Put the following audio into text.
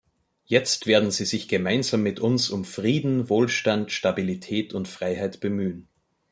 Jetzt werden sie sich gemeinsam mit uns um Frieden, Wohlstand, Stabilität und Freiheit bemühen.